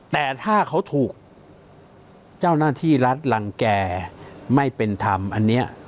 แต่ถ้าเขาถูกเจ้าหน้าที่รัฐรังแก่ไม่เป็นธรรมอันนี้